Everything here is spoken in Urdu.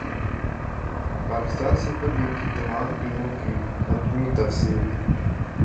پاکستان سپر لیگ کی تمام ٹیموں کی حتمی تفصیل